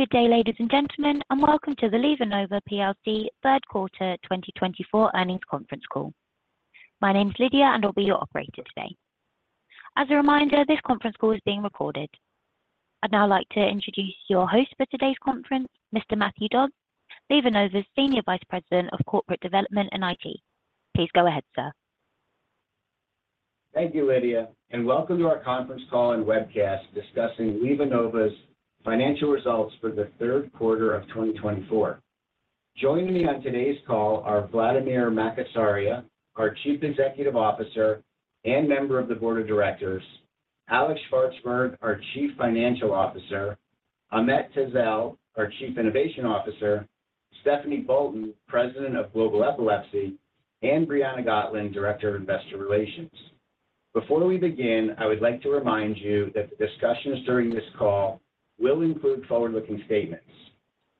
Good day, ladies and gentlemen, and welcome to the LivaNova PLC Third Quarter 2024 Earnings Conference Call. My name's Lydia, and I'll be your operator today. As a reminder, this conference call is being recorded. I'd now like to introduce your host for today's conference, Mr. Matthew Dodds, LivaNova's Senior Vice President of Corporate Development and IT. Please go ahead, sir. Thank you, Lydia, and welcome to our conference call and webcast discussing LivaNova's financial results for the third quarter of 2024. Joining me on today's call are Vladimir Makatsaria, our Chief Executive Officer and member of the Board of Directors, Alex Shvartsburg, our Chief Financial Officer, Ahmet Tezel, our Chief Innovation Officer, Stephanie Bolton, President of Global Epilepsy, and Briana Gotlin, Director of Investor Relations. Before we begin, I would like to remind you that the discussions during this call will include forward-looking statements.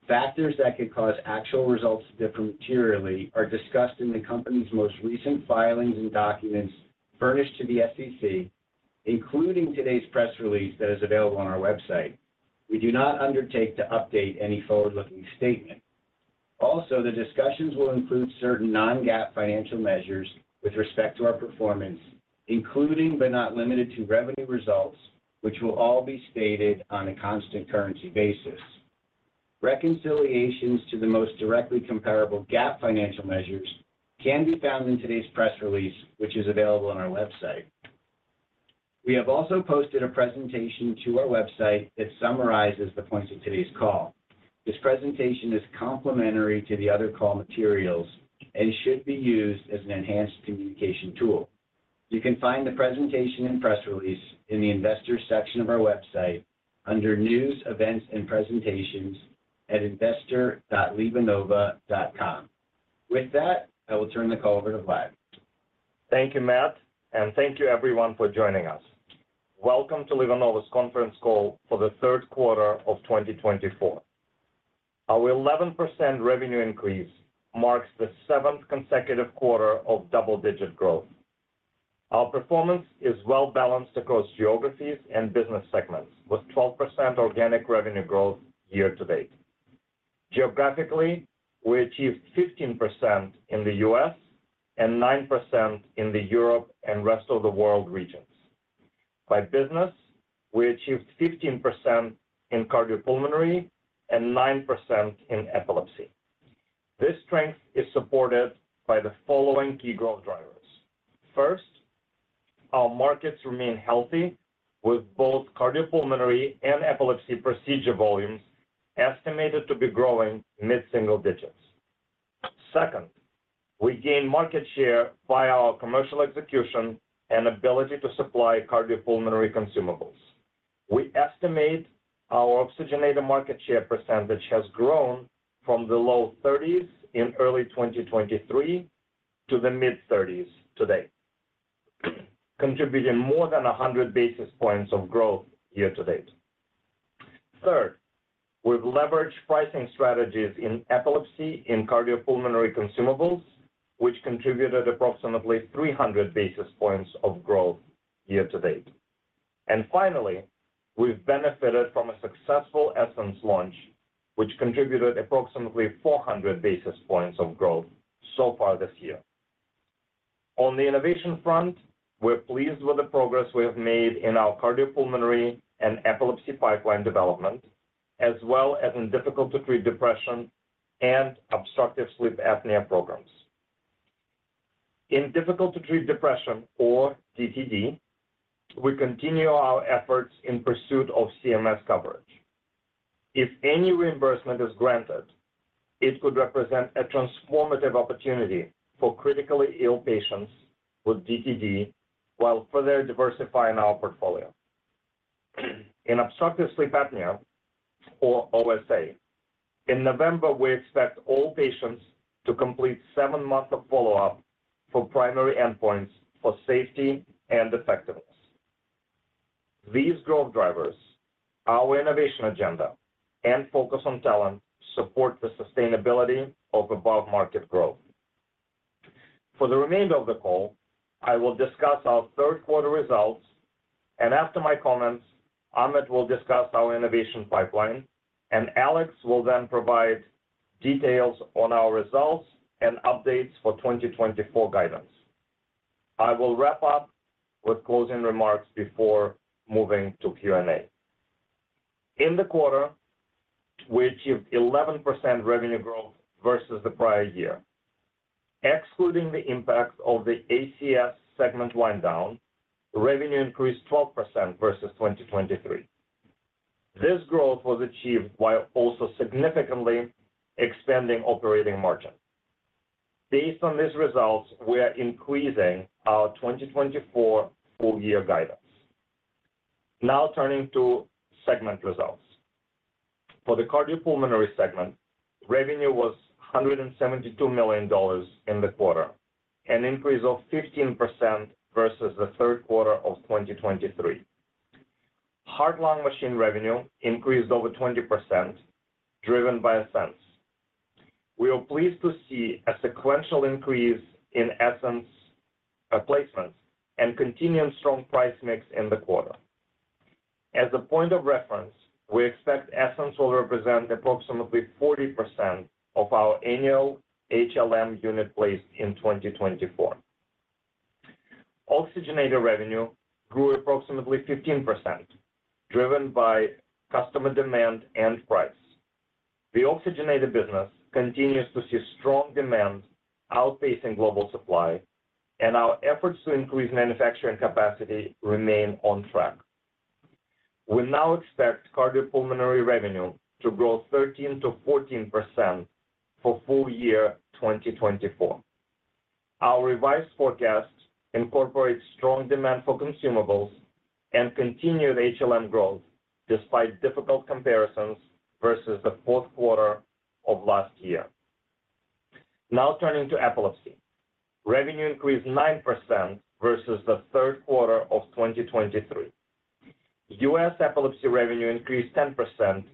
Factors that could cause actual results to differ materially are discussed in the company's most recent filings and documents furnished to the SEC, including today's press release that is available on our website. We do not undertake to update any forward-looking statement. Also, the discussions will include certain non-GAAP financial measures with respect to our performance, including but not limited to revenue results, which will all be stated on a constant currency basis. Reconciliations to the most directly comparable GAAP financial measures can be found in today's press release, which is available on our website. We have also posted a presentation to our website that summarizes the points of today's call. This presentation is complementary to the other call materials and should be used as an enhanced communication tool. You can find the presentation and press release in the Investor section of our website under News, Events, and Presentations at investor.livanova.com. With that, I will turn the call over to Vlad. Thank you, Matt, and thank you, everyone, for joining us. Welcome to LivaNova's conference call for the third quarter of 2024. Our 11% revenue increase marks the seventh consecutive quarter of double-digit growth. Our performance is well-balanced across geographies and business segments, with 12% organic revenue growth year to date. Geographically, we achieved 15% in the U.S. and 9% in the Europe and rest of the world regions. By business, we achieved 15% in cardiopulmonary and 9% in epilepsy. This strength is supported by the following key growth drivers. First, our markets remain healthy, with both cardiopulmonary and epilepsy procedure volumes estimated to be growing mid-single digits. Second, we gain market share via our commercial execution and ability to supply cardiopulmonary consumables. We estimate our oxygenated market share percentage has grown from the low 30s in early 2023 to the mid-30s today, contributing more than 100 basis points of growth year to date. Third, we've leveraged pricing strategies in epilepsy and cardiopulmonary consumables, which contributed approximately 300 basis points of growth year to date. And finally, we've benefited from a successful Essenz launch, which contributed approximately 400 basis points of growth so far this year. On the innovation front, we're pleased with the progress we have made in our cardiopulmonary and epilepsy pipeline development, as well as in difficult-to-treat depression and obstructive sleep apnea programs. In difficult-to-treat depression, or DTD, we continue our efforts in pursuit of CMS coverage. If any reimbursement is granted, it could represent a transformative opportunity for critically ill patients with DTD while further diversifying our portfolio. In obstructive sleep apnea, or OSA, in November, we expect all patients to complete seven months of follow-up for primary endpoints for safety and effectiveness. These growth drivers, our innovation agenda, and focus on talent support the sustainability of above-market growth. For the remainder of the call, I will discuss our third-quarter results, and after my comments, Ahmet will discuss our innovation pipeline, and Alex will then provide details on our results and updates for 2024 guidance. I will wrap up with closing remarks before moving to Q&A. In the quarter, we achieved 11% revenue growth versus the prior year. Excluding the impact of the ACS segment wind-down, revenue increased 12% versus 2023. This growth was achieved while also significantly expanding operating margin. Based on these results, we are increasing our 2024 full-year guidance. Now turning to segment results. For the cardiopulmonary segment, revenue was $172 million in the quarter, an increase of 15% versus the third quarter of 2023. Heart-lung machine revenue increased over 20%, driven by Essenz. We are pleased to see a sequential increase in Essenz placements and continuing strong price mix in the quarter. As a point of reference, we expect Essenz will represent approximately 40% of our annual HLM unit placed in 2024. Oxygenator revenue grew approximately 15%, driven by customer demand and price. The oxygenator business continues to see strong demand outpacing global supply, and our efforts to increase manufacturing capacity remain on track. We now expect cardiopulmonary revenue to grow 13%-14% for full year 2024. Our revised forecast incorporates strong demand for consumables and continued HLM growth despite difficult comparisons versus the fourth quarter of last year. Now turning to epilepsy, revenue increased 9% versus the third quarter of 2023. U.S. epilepsy revenue increased 10%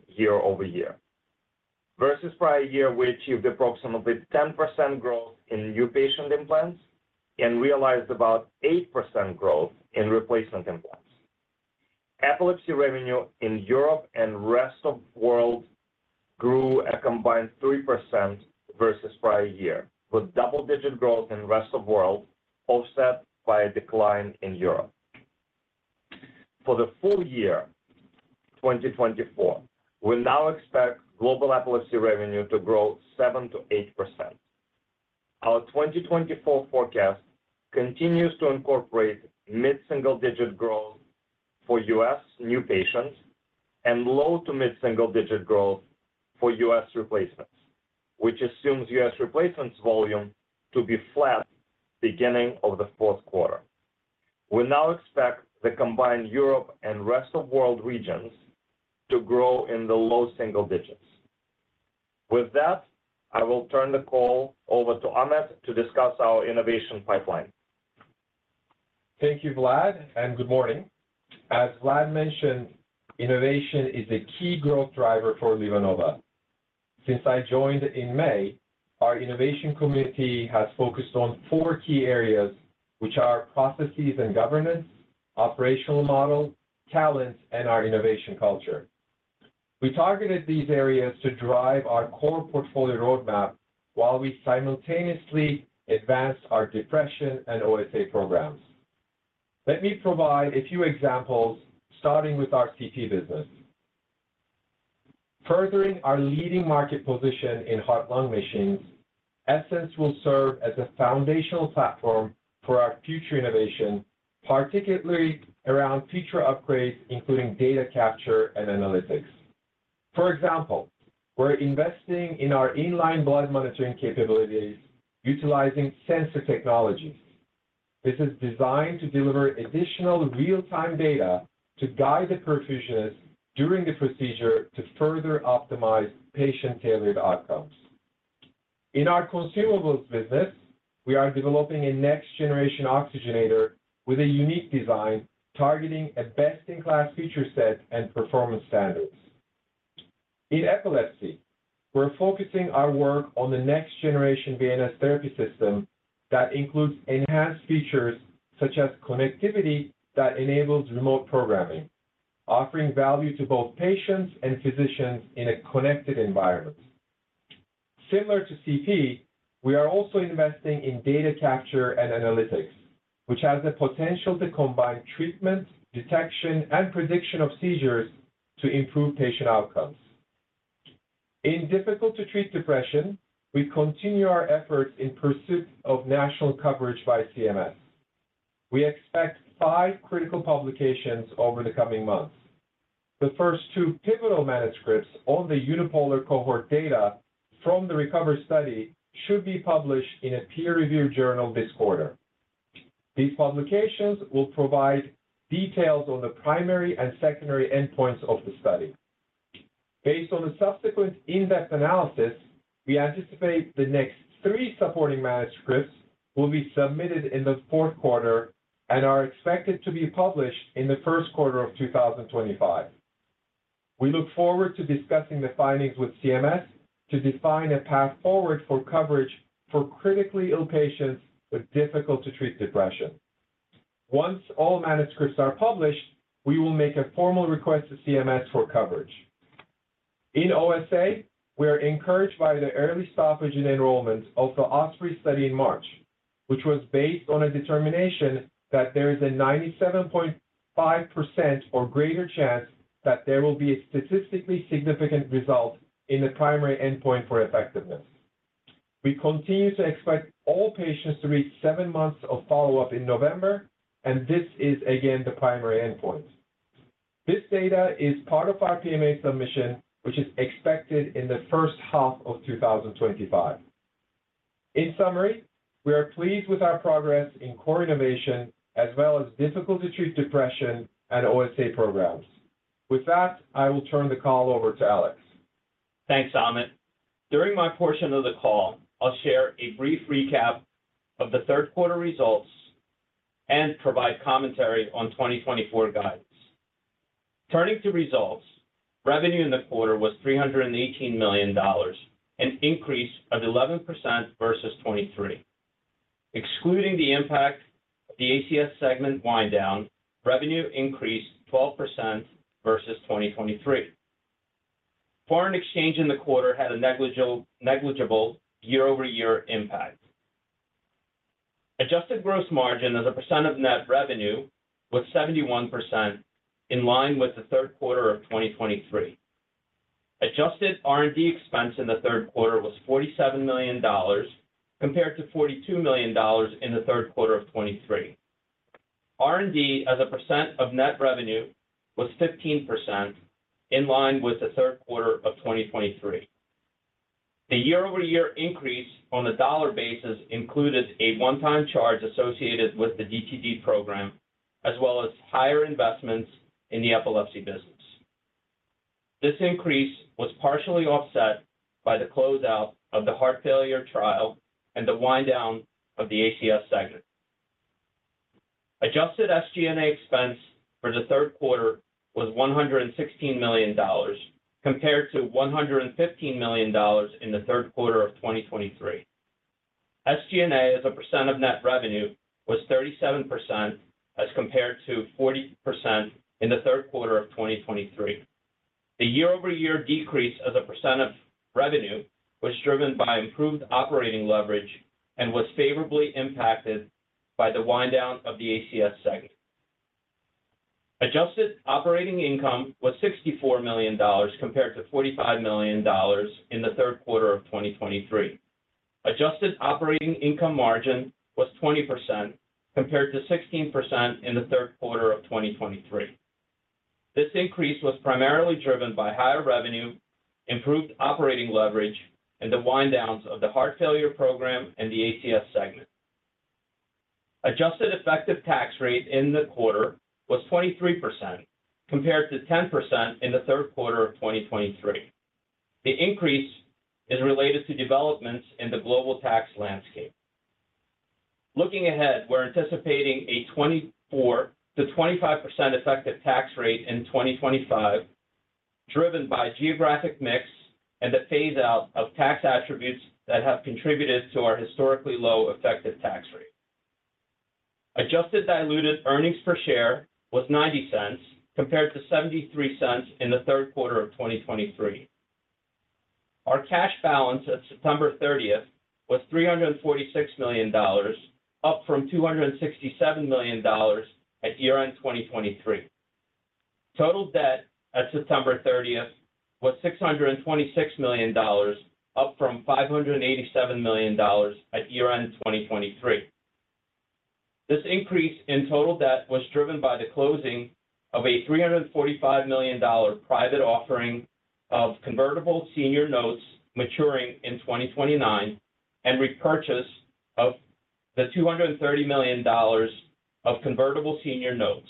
year-over-year. Versus prior year, we achieved approximately 10% growth in new patient implants and realized about 8% growth in replacement implants. Epilepsy revenue in Europe and rest of the world grew a combined 3% versus prior year, with double-digit growth in rest of the world offset by a decline in Europe. For the full year 2024, we now expect global epilepsy revenue to grow 7% to 8%. Our 2024 forecast continues to incorporate mid-single digit growth for U.S. new patients and low to mid-single digit growth for U.S. replacements, which assumes U.S. replacements volume to be flat beginning of the fourth quarter. We now expect the combined Europe and rest of the world regions to grow in the low single digits. With that, I will turn the call over to Ahmet to discuss our innovation pipeline. Thank you, Vlad, and good morning. As Vlad mentioned, innovation is a key growth driver for LivaNova. Since I joined in May, our innovation community has focused on four key areas, which are processes and governance, operational model, talent, and our innovation culture. We targeted these areas to drive our core portfolio roadmap while we simultaneously advanced our depression and OSA programs. Let me provide a few examples, starting with our CP business. Furthering our leading market position in heart-lung machines, Essenz will serve as a foundational platform for our future innovation, particularly around future upgrades, including data capture and analytics. For example, we're investing in our inline blood monitoring capabilities, utilizing sensor technologies. This is designed to deliver additional real-time data to guide the perfusionist during the procedure to further optimize patient-tailored outcomes. In our consumables business, we are developing a next-generation oxygenator with a unique design targeting a best-in-class feature set and performance standards. In epilepsy, we're focusing our work on the next-generation VNS Therapy system that includes enhanced features such as connectivity that enables remote programming, offering value to both patients and physicians in a connected environment. Similar to CT, we are also investing in data capture and analytics, which has the potential to combine treatment, detection, and prediction of seizures to improve patient outcomes. In Difficult-to-Treat Depression, we continue our efforts in pursuit of national coverage by CMS. We expect five critical publications over the coming months. The first two pivotal manuscripts on the unipolar cohort data from the RECOVER study should be published in a peer-reviewed journal this quarter. These publications will provide details on the primary and secondary endpoints of the study. Based on the subsequent in-depth analysis, we anticipate the next three supporting manuscripts will be submitted in the fourth quarter and are expected to be published in the first quarter of 2025. We look forward to discussing the findings with CMS to define a path forward for coverage for critically ill patients with difficult-to-treat depression. Once all manuscripts are published, we will make a formal request to CMS for coverage. In OSA, we are encouraged by the early stoppage and enrollment of the OSPREY study in March, which was based on a determination that there is a 97.5% or greater chance that there will be a statistically significant result in the primary endpoint for effectiveness. We continue to expect all patients to reach seven months of follow-up in November, and this is again the primary endpoint. This data is part of our PMA submission, which is expected in the first half of 2025. In summary, we are pleased with our progress in core innovation as well as difficult-to-treat depression and OSA programs. With that, I will turn the call over to Alex. Thanks, Ahmet. During my portion of the call, I'll share a brief recap of the third-quarter results and provide commentary on 2024 guidance. Turning to results, revenue in the quarter was $318 million, an increase of 11% versus 2023. Excluding the impact of the ACS segment wind-down, revenue increased 12% versus 2023. Foreign exchange in the quarter had a negligible year-over-year impact. Adjusted gross margin as a % of net revenue was 71%, in line with the third quarter of 2023. Adjusted R&D expense in the third quarter was $47 million, compared to $42 million in the third quarter of 2023. R&D as a % of net revenue was 15%, in line with the third quarter of 2023. The year-over-year increase on a dollar basis included a one-time charge associated with the DTD program, as well as higher investments in the epilepsy business. This increase was partially offset by the closeout of the heart failure trial and the wind-down of the ACS segment. Adjusted SG&A expense for the third quarter was $116 million, compared to $115 million in the third quarter of 2023. SG&A as a percent of net revenue was 37%, as compared to 40% in the third quarter of 2023. The year-over-year decrease as a percent of revenue was driven by improved operating leverage and was favorably impacted by the wind-down of the ACS segment. Adjusted operating income was $64 million, compared to $45 million in the third quarter of 2023. Adjusted operating income margin was 20%, compared to 16% in the third quarter of 2023. This increase was primarily driven by higher revenue, improved operating leverage, and the wind-downs of the heart failure program and the ACS segment. Adjusted effective tax rate in the quarter was 23%, compared to 10% in the third quarter of 2023. The increase is related to developments in the global tax landscape. Looking ahead, we're anticipating a 24%-25% effective tax rate in 2025, driven by geographic mix and the phase-out of tax attributes that have contributed to our historically low effective tax rate. Adjusted diluted earnings per share was $0.90, compared to $0.73 in the third quarter of 2023. Our cash balance at September 30 was $346 million, up from $267 million at year-end 2023. Total debt at September 30 was $626 million, up from $587 million at year-end 2023. This increase in total debt was driven by the closing of a $345 million private offering of convertible senior notes maturing in 2029 and repurchase of the $230 million of convertible senior notes.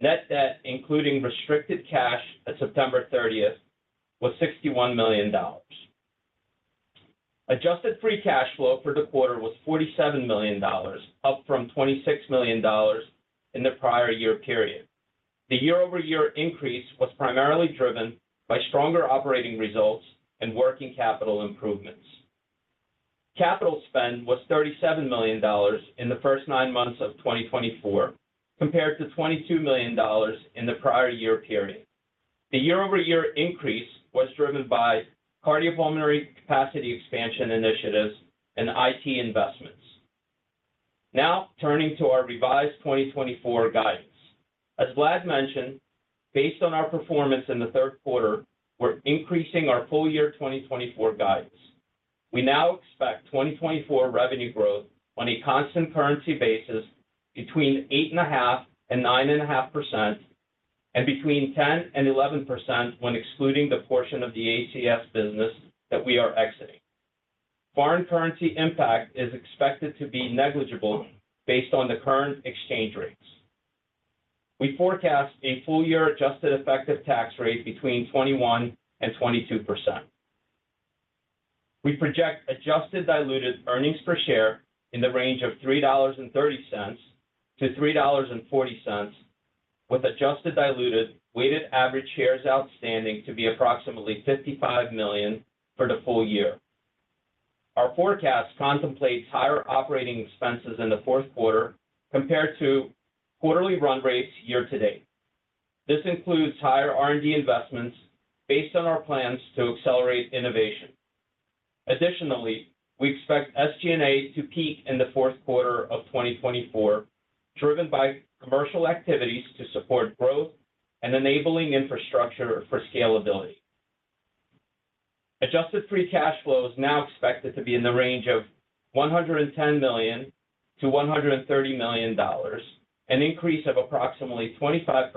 Net debt, including restricted cash at September 30, was $61 million. Adjusted free cash flow for the quarter was $47 million, up from $26 million in the prior year period. The year-over-year increase was primarily driven by stronger operating results and working capital improvements. Capital spend was $37 million in the first nine months of 2024, compared to $22 million in the prior year period. The year-over-year increase was driven by cardiopulmonary capacity expansion initiatives and IT investments. Now turning to our revised 2024 guidance. As Vlad mentioned, based on our performance in the third quarter, we're increasing our full-year 2024 guidance. We now expect 2024 revenue growth on a constant currency basis between 8.5% and 9.5%, and between 10% and 11% when excluding the portion of the ACS business that we are exiting. Foreign currency impact is expected to be negligible based on the current exchange rates. We forecast a full-year adjusted effective tax rate between 21% and 22%. We project adjusted diluted earnings per share in the range of $3.30 to $3.40, with adjusted diluted weighted average shares outstanding to be approximately 55 million for the full year. Our forecast contemplates higher operating expenses in the fourth quarter compared to quarterly run rates year-to-date. This includes higher R&D investments based on our plans to accelerate innovation. Additionally, we expect SG&A to peak in the fourth quarter of 2024, driven by commercial activities to support growth and enabling infrastructure for scalability. Adjusted free cash flow is now expected to be in the range of $110 million to $130 million, an increase of approximately 25%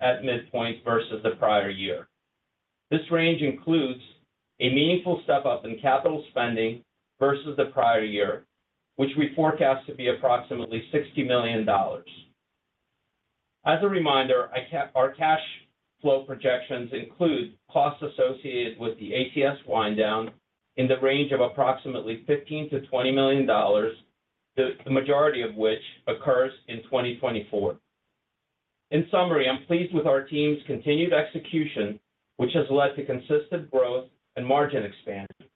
at midpoint versus the prior year. This range includes a meaningful step-up in capital spending versus the prior year, which we forecast to be approximately $60 million. As a reminder, our cash flow projections include costs associated with the ACS wind-down in the range of approximately $15 million-$20 million, the majority of which occurs in 2024. In summary, I'm pleased with our team's continued execution, which has led to consistent growth and margin expansion.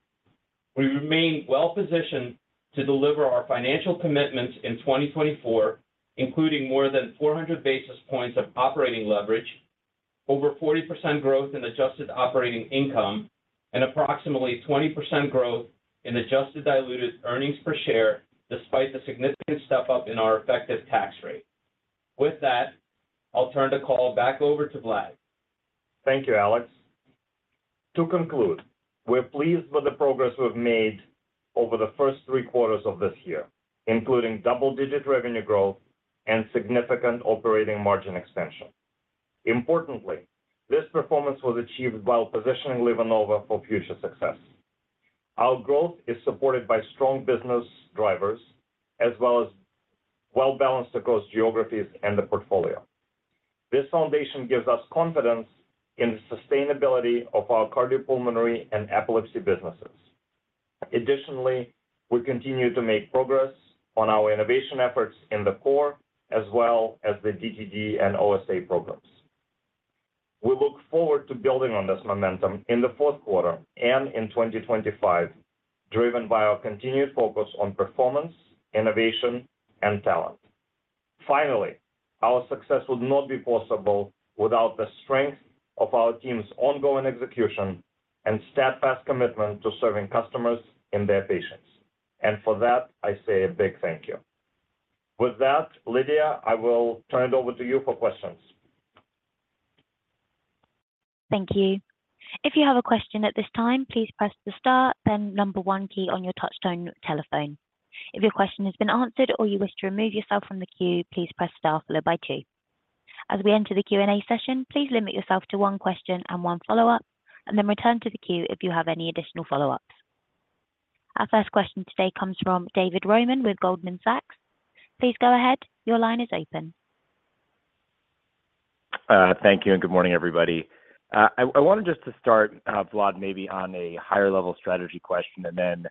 We remain well-positioned to deliver our financial commitments in 2024, including more than 400 basis points of operating leverage, over 40% growth in adjusted operating income, and approximately 20% growth in adjusted diluted earnings per share, despite the significant step-up in our effective tax rate. With that, I'll turn the call back over to Vlad. Thank you, Alex. To conclude, we're pleased with the progress we've made over the first three quarters of this year, including double-digit revenue growth and significant operating margin expansion. Importantly, this performance was achieved while positioning LivaNova for future success. Our growth is supported by strong business drivers, as well as well-balanced across geographies and the portfolio. This foundation gives us confidence in the sustainability of our cardiopulmonary and epilepsy businesses. Additionally, we continue to make progress on our innovation efforts in the core, as well as the DTD and OSA programs. We look forward to building on this momentum in the fourth quarter and in 2025, driven by our continued focus on performance, innovation, and talent. Finally, our success would not be possible without the strength of our team's ongoing execution and steadfast commitment to serving customers and their patients. And for that, I say a big thank you. With that, Lydia, I will turn it over to you for questions. Thank you. If you have a question at this time, please press the star then number one key on your touch-tone telephone. If your question has been answered or you wish to remove yourself from the queue, please press star followed by two. As we enter the Q&A session, please limit yourself to one question and one follow-up, and then return to the queue if you have any additional follow-ups. Our first question today comes from David Roman with Goldman Sachs. Please go ahead. Your line is open. Thank you, and good morning, everybody. I wanted just to start, Vlad, maybe on a higher-level strategy question and then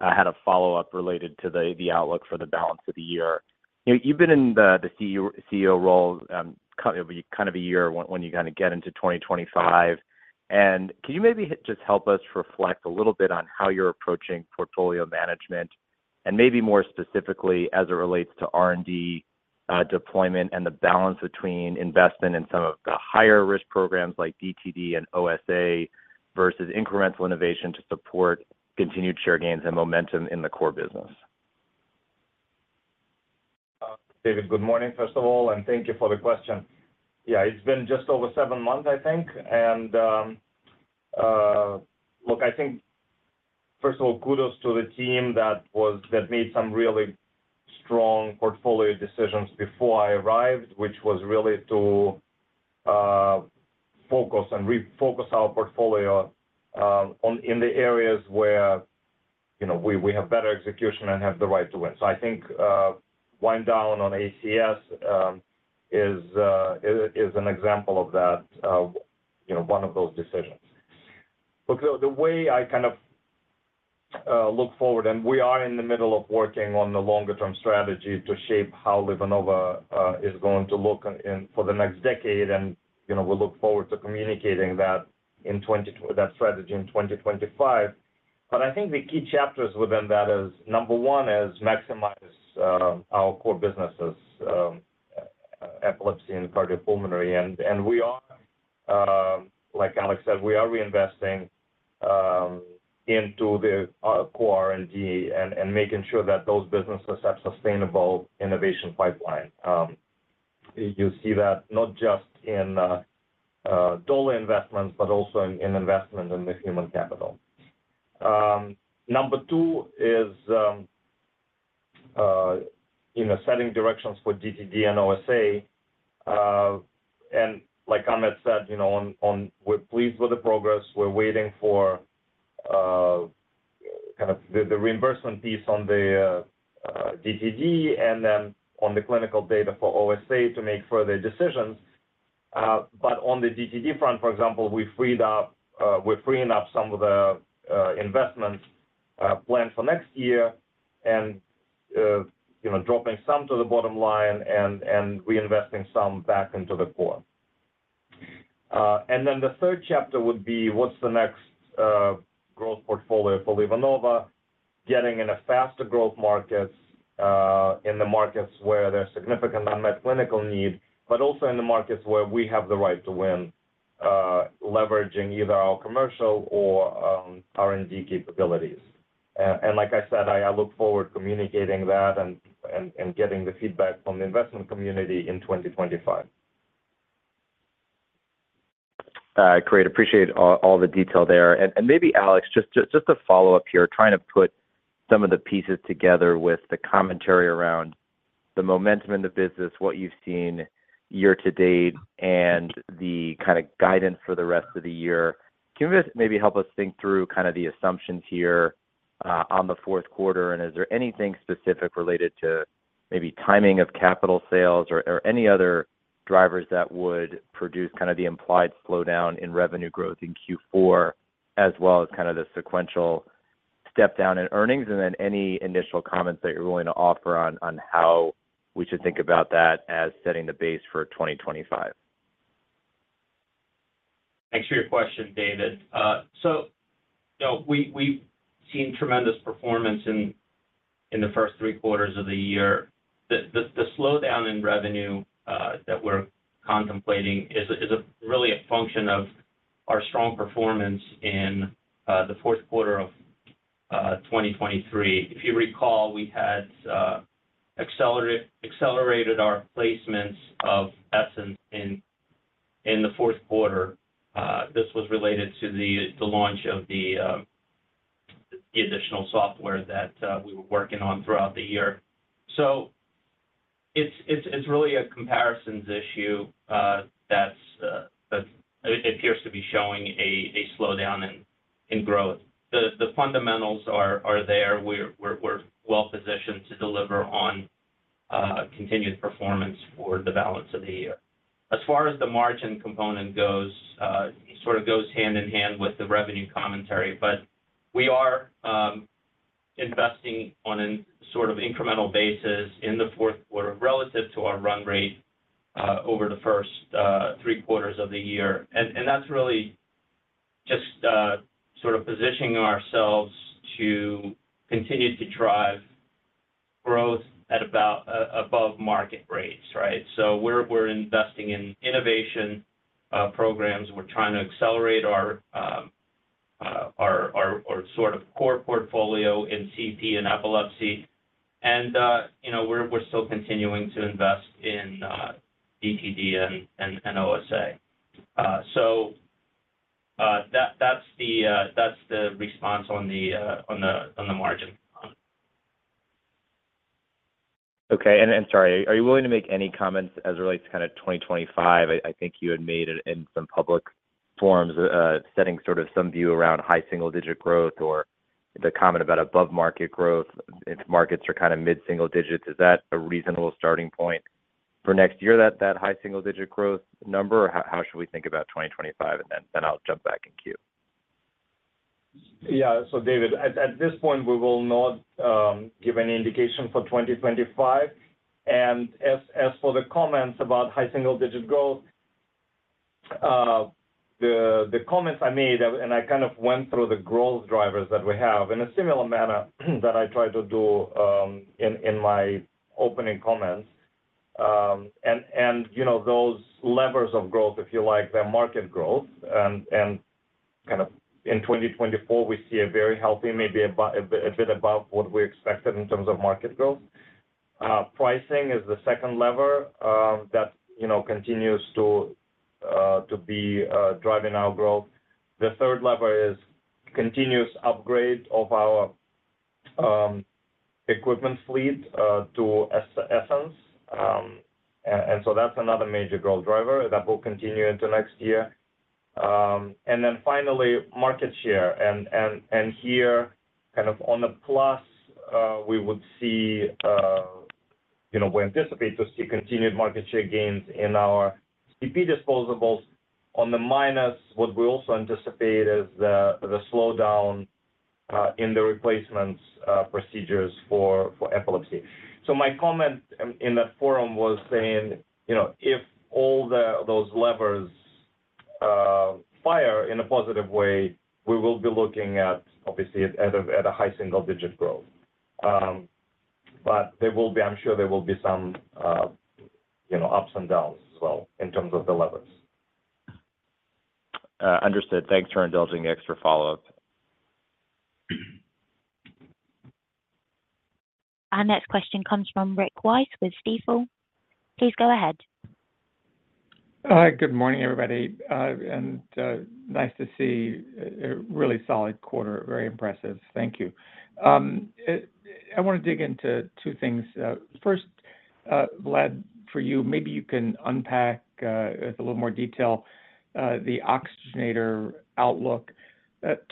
had a follow-up related to the outlook for the balance of the year. You've been in the CEO role kind of a year when you kind of get into 2025. Can you maybe just help us reflect a little bit on how you're approaching portfolio management, and maybe more specifically as it relates to R&D deployment and the balance between investment in some of the higher-risk programs like DTD and OSA versus incremental innovation to support continued share gains and momentum in the core business? David, good morning, first of all, and thank you for the question. Yeah, it's been just over seven months, I think. And look, I think, first of all, kudos to the team that made some really strong portfolio decisions before I arrived, which was really to focus and refocus our portfolio in the areas where we have better execution and have the right to win. So I think wind-down on ACS is an example of that, one of those decisions. Look, the way I kind of look forward, and we are in the middle of working on the longer-term strategy to shape how LivaNova is going to look for the next decade, and we look forward to communicating that strategy in 2025. But I think the key chapters within that is, number one, is maximize our core businesses, Epilepsy and Cardiopulmonary. We are, like Alex said, we are reinvesting into the core R&D and making sure that those businesses have sustainable innovation pipeline. You see that not just in dollar investments, but also in investment in the human capital. Number two is setting directions for DTD and OSA. Like Ahmet said, we're pleased with the progress. We're waiting for kind of the reimbursement piece on the DTD and then on the clinical data for OSA to make further decisions. On the DTD front, for example, we're freeing up some of the investments planned for next year and dropping some to the bottom line and reinvesting some back into the core. Then the third chapter would be, what's the next growth portfolio for LivaNova, getting in a faster growth market in the markets where there's significant unmet clinical need, but also in the markets where we have the right to win, leveraging either our commercial or R&D capabilities. Like I said, I look forward to communicating that and getting the feedback from the investment community in 2025. Great. Appreciate all the detail there. And maybe, Alex, just to follow up here, trying to put some of the pieces together with the commentary around the momentum in the business, what you've seen year-to-date, and the kind of guidance for the rest of the year. Can you maybe help us think through kind of the assumptions here on the fourth quarter? And is there anything specific related to maybe timing of capital sales or any other drivers that would produce kind of the implied slowdown in revenue growth in Q4, as well as kind of the sequential step-down in earnings? And then any initial comments that you're willing to offer on how we should think about that as setting the base for 2025? Thanks for your question, David. So we've seen tremendous performance in the first three quarters of the year. The slowdown in revenue that we're contemplating is really a function of our strong performance in the fourth quarter of 2023. If you recall, we had accelerated our placements of Essenz in the fourth quarter. This was related to the launch of the additional software that we were working on throughout the year. So it's really a comparisons issue that appears to be showing a slowdown in growth. The fundamentals are there. We're well-positioned to deliver on continued performance for the balance of the year. As far as the margin component goes, it sort of goes hand in hand with the revenue commentary. But we are investing on a sort of incremental basis in the fourth quarter relative to our run rate over the first three quarters of the year. That's really just sort of positioning ourselves to continue to drive growth at about above market rates, right? We're investing in innovation programs. We're trying to accelerate our sort of core portfolio in CP and epilepsy. We're still continuing to invest in DTD and OSA. That's the response on the margin. Okay. And sorry, are you willing to make any comments as it relates to kind of 2025? I think you had made it in some public forums setting sort of some view around high single-digit growth or the comment about above-market growth. If markets are kind of mid-single digits, is that a reasonable starting point for next year, that high single-digit growth number? Or how should we think about 2025? And then I'll jump back in queue. Yeah. So David, at this point, we will not give any indication for 2025. And as for the comments about high single-digit growth, the comments I made, and I kind of went through the growth drivers that we have in a similar manner that I tried to do in my opening comments. And those levers of growth, if you like, they're market growth. And kind of in 2024, we see a very healthy, maybe a bit above what we expected in terms of market growth. Pricing is the second lever that continues to be driving our growth. The third lever is continuous upgrade of our equipment fleet to Essenz. And so that's another major growth driver that will continue into next year. And then finally, market share. And here, kind of on the plus, we would see we anticipate to see continued market share gains in our CP disposables. On the minus, what we also anticipate is the slowdown in the replacement procedures for epilepsy. So my comment in that forum was saying, if all those levers fire in a positive way, we will be looking at, obviously, at a high single-digit growth. But there will be, I'm sure there will be some ups and downs as well in terms of the levers. Understood. Thanks for indulging the extra follow-up. Our next question comes from Rick Wise with Stifel. Please go ahead. Hi. Good morning, everybody, and nice to see a really solid quarter. Very impressive. Thank you. I want to dig into two things. First, Vlad, for you, maybe you can unpack with a little more detail the oxygenator outlook.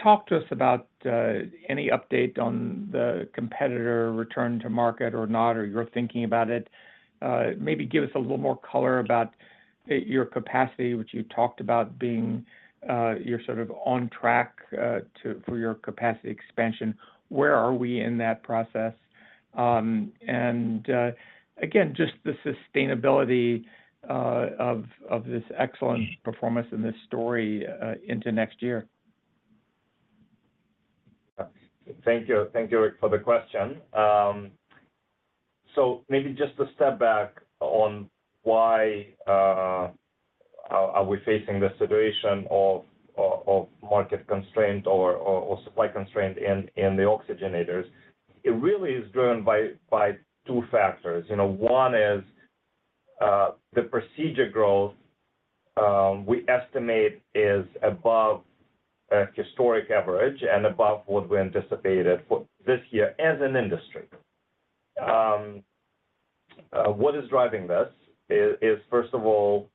Talk to us about any update on the competitor return to market or not, or you're thinking about it. Maybe give us a little more color about your capacity, which you talked about being you're sort of on track for your capacity expansion. Where are we in that process? And again, just the sustainability of this excellent performance in this story into next year. Thank you, Rick, for the question. So maybe just a step back on why are we facing the situation of market constraint or supply constraint in the oxygenators? It really is driven by two factors. One is the procedure growth we estimate is above historic average and above what we anticipated this year as an industry. What is driving this is, first of all,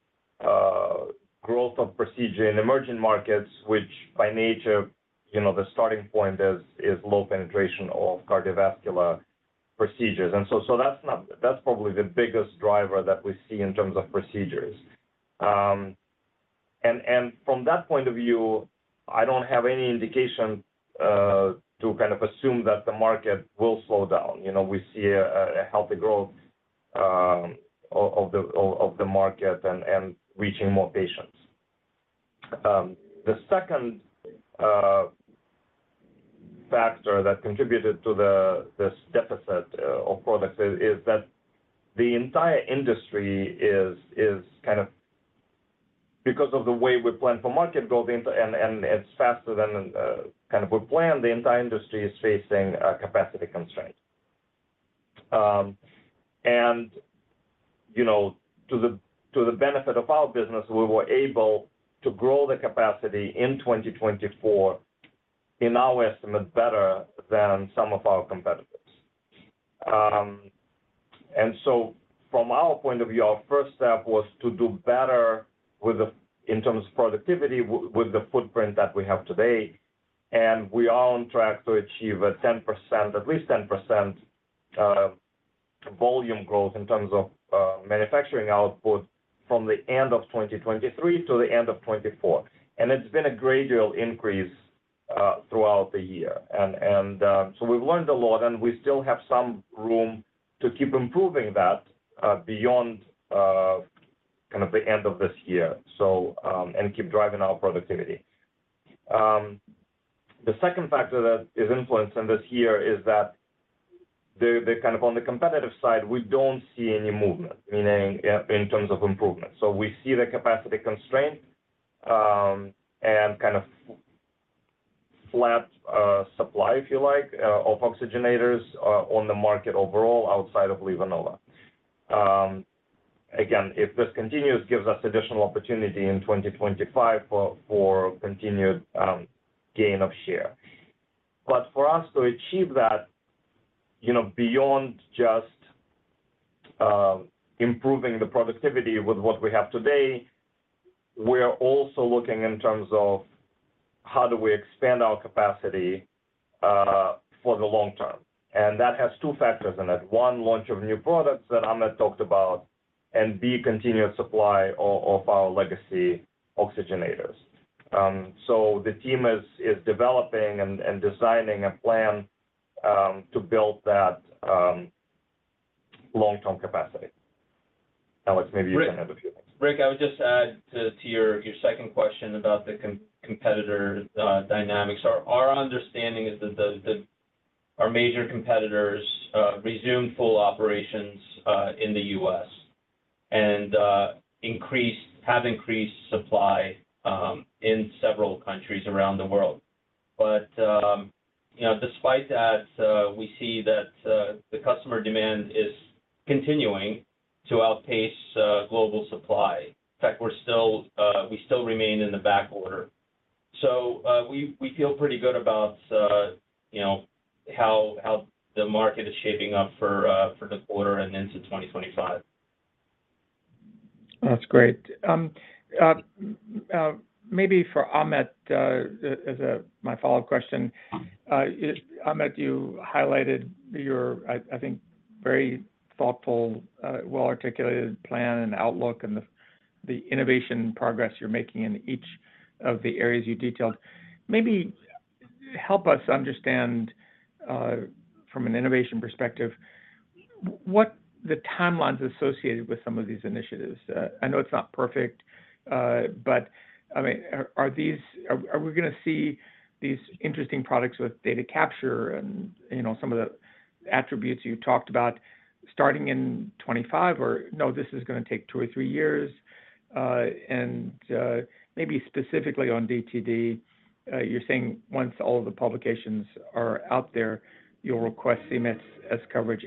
growth of procedure in emerging markets, which by nature, the starting point is low penetration of cardiovascular procedures. And so that's probably the biggest driver that we see in terms of procedures. And from that point of view, I don't have any indication to kind of assume that the market will slow down. We see a healthy growth of the market and reaching more patients. The second factor that contributed to this deficit of products is that the entire industry is kind of, because of the way we plan for market growth, and it's faster than kind of we plan, the entire industry is facing capacity constraint. To the benefit of our business, we were able to grow the capacity in 2024, in our estimate, better than some of our competitors. From our point of view, our first step was to do better in terms of productivity with the footprint that we have today. We are on track to achieve at least 10% volume growth in terms of manufacturing output from the end of 2023 to the end of 2024. It's been a gradual increase throughout the year. And so we've learned a lot, and we still have some room to keep improving that beyond kind of the end of this year and keep driving our productivity. The second factor that is influencing this year is that kind of on the competitive side, we don't see any movement, meaning in terms of improvement. So we see the capacity constraint and kind of flat supply, if you like, of oxygenators on the market overall outside of LivaNova. Again, if this continues, it gives us additional opportunity in 2025 for continued gain of share. But for us to achieve that, beyond just improving the productivity with what we have today, we're also looking in terms of how do we expand our capacity for the long term. And that has two factors in it. One, launch of new products that Ahmet talked about, and B, continued supply of our legacy oxygenators. So the team is developing and designing a plan to build that long-term capacity. Alex, maybe you can add a few things. Rick, I would just add to your second question about the competitor dynamics. Our understanding is that our major competitors resumed full operations in the U.S. and have increased supply in several countries around the world. But despite that, we see that the customer demand is continuing to outpace global supply. In fact, we still remain in the back order. So we feel pretty good about how the market is shaping up for the quarter and into 2025. That's great. Maybe for Ahmet as my follow-up question, Ahmet you highlighted your, I think, very thoughtful, well-articulated plan and outlook and the innovation progress you're making in each of the areas you detailed. Maybe help us understand from an innovation perspective what the timelines associated with some of these initiatives. I know it's not perfect, but I mean, are we going to see these interesting products with data capture and some of the attributes you talked about starting in 2025? Or no, this is going to take two or three years? And maybe specifically on DTD, you're saying once all of the publications are out there, you'll request CMS as coverage.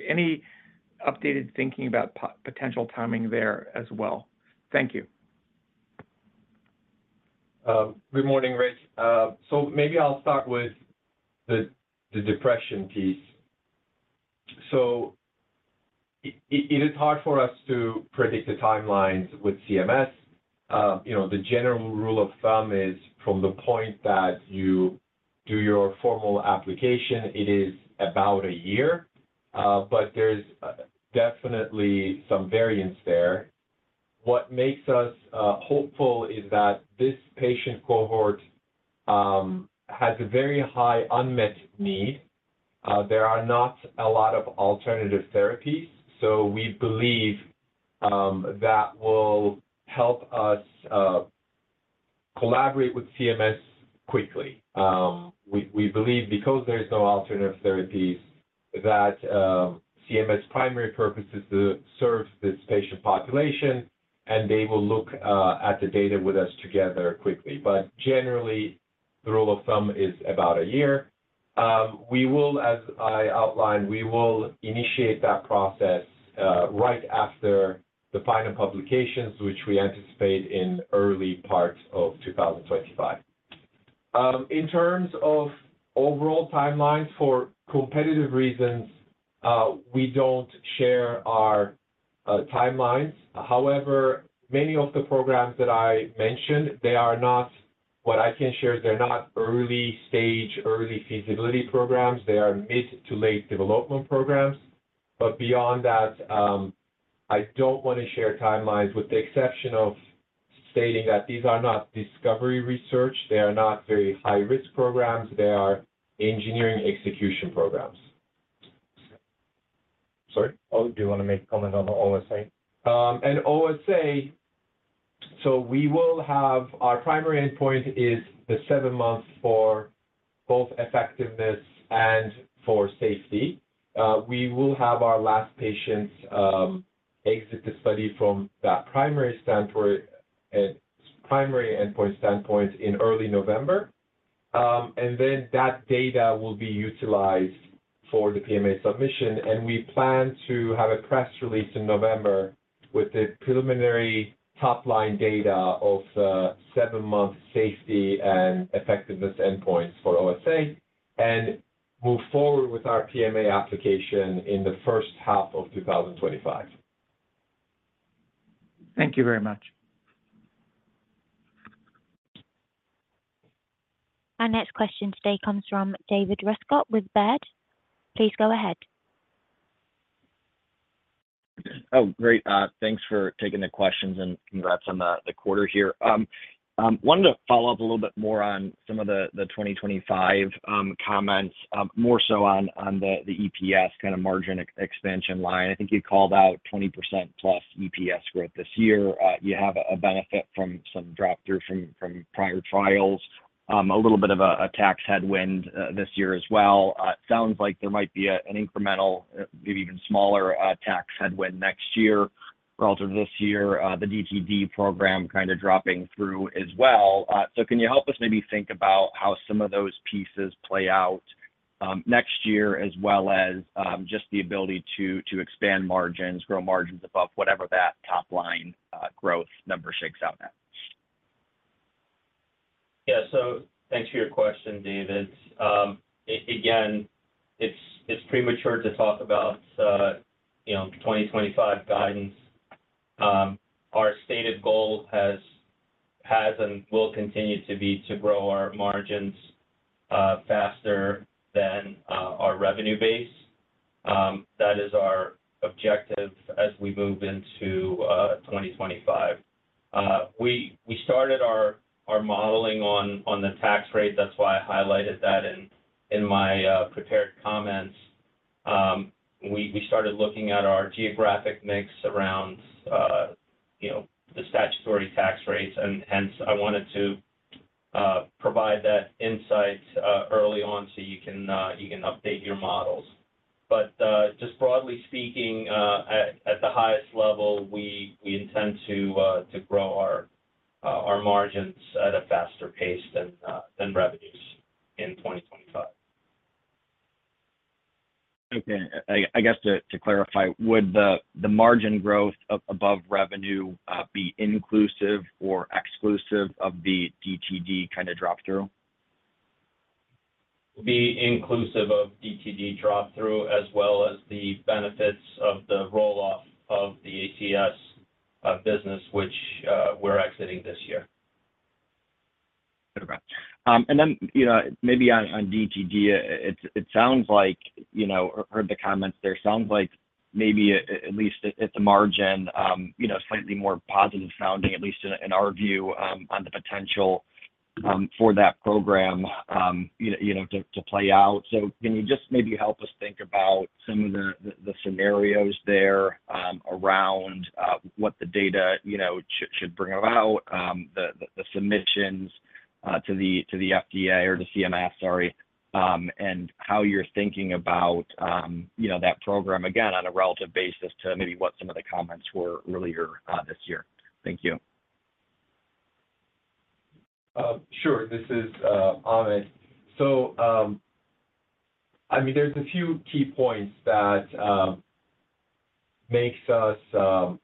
Any updated thinking about potential timing there as well? Thank you. Good morning, Rick. So maybe I'll start with the depression piece. So it is hard for us to predict the timelines with CMS. The general rule of thumb is from the point that you do your formal application, it is about a year. But there's definitely some variance there. What makes us hopeful is that this patient cohort has a very high unmet need. There are not a lot of alternative therapies. So we believe that will help us collaborate with CMS quickly. We believe because there's no alternative therapies, that CMS' primary purpose is to serve this patient population, and they will look at the data with us together quickly. But generally, the rule of thumb is about a year. As I outlined, we will initiate that process right after the final publications, which we anticipate in early part of 2025. In terms of overall timelines for competitive reasons, we don't share our timelines. However, many of the programs that I mentioned, what I can share is they're not early-stage, early feasibility programs. They are mid-to-late development programs. But beyond that, I don't want to share timelines with the exception of stating that these are not discovery research. They are not very high-risk programs. They are engineering execution programs. Sorry? Oh, do you want to make a comment on the OSA? OSA, so our primary endpoint is the seven months for both effectiveness and for safety. We will have our last patients exit the study from that primary endpoint standpoint in early November. Then that data will be utilized for the PMA submission. We plan to have a press release in November with the preliminary top-line data of seven-month safety and effectiveness endpoints for OSA and move forward with our PMA application in the first half of 2025. Thank you very much. Our next question today comes from David Rescott with Baird. Please go ahead. Oh, great. Thanks for taking the questions and congrats on the quarter here. I wanted to follow up a little bit more on some of the 2025 comments, more so on the EPS kind of margin expansion line. I think you called out 20% plus EPS growth this year. You have a benefit from some drop-through from prior trials, a little bit of a tax headwind this year as well. It sounds like there might be an incremental, maybe even smaller tax headwind next year relative to this year, the DTD program kind of dropping through as well. So can you help us maybe think about how some of those pieces play out next year as well as just the ability to expand margins, grow margins above whatever that top-line growth number shakes out at? Yeah. So thanks for your question, David. Again, it's premature to talk about 2025 guidance. Our stated goal has and will continue to be to grow our margins faster than our revenue base. That is our objective as we move into 2025. We started our modeling on the tax rate. That's why I highlighted that in my prepared comments. We started looking at our geographic mix around the statutory tax rates. And hence, I wanted to provide that insight early on so you can update your models. But just broadly speaking, at the highest level, we intend to grow our margins at a faster pace than revenues in 2025. Okay. I guess to clarify, would the margin growth above revenue be inclusive or exclusive of the DTD kind of drop-through? Be inclusive of DTD drop-through as well as the benefits of the roll-off of the ACS business, which we're exiting this year. Okay. And then maybe on DTD, it sounds like I heard the comments there. It sounds like maybe at least at the margin, slightly more positive sounding, at least in our view, on the potential for that program to play out. So can you just maybe help us think about some of the scenarios there around what the data should bring about, the submissions to the FDA or the CMS, sorry, and how you're thinking about that program, again, on a relative basis to maybe what some of the comments were earlier this year? Thank you. Sure. This is Ahmet. So I mean, there's a few key points that makes us